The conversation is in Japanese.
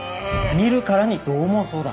見るからにどう猛そうだ。